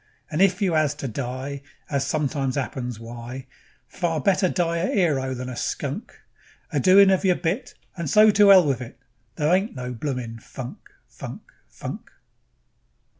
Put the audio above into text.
And if you 'as to die, As it sometimes 'appens, why, Far better die a 'ero than a skunk; A doin' of yer bit, And so to 'ell with it, There ain't no bloomin' funk, funk, funk.